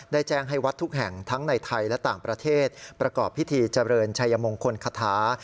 แจ้งให้วัดทุกแห่งทั้งในไทยและต่างประเทศประกอบพิธีเจริญชัยมงคลคาถา